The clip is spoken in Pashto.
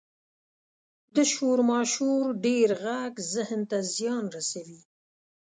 • د شور ماشور ډېر ږغ ذهن ته زیان رسوي.